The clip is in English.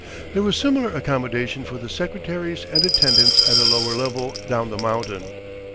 There was similar accommodation for the secretaries and attendants at a lower level down the mountain.